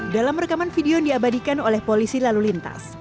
dalam rekaman video yang diabadikan oleh polisi lalu lintas